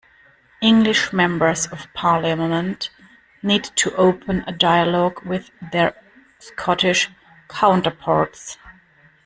English Members of Parliament need to open a dialogue with their Scottish counterparts.